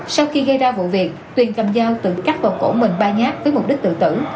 sau khi gây ra vụ việc tuyền cầm dao tự cắt vào cổ mình ba nhát với mục đích tự tử